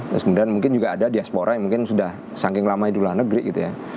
terus kemudian mungkin juga ada diaspora yang mungkin sudah saking lama itu luar negeri gitu ya